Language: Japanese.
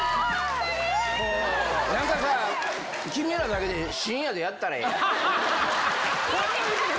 君らだけで、深夜でやったらええやん。